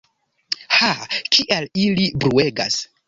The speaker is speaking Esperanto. Ha, kiel ili bruegas!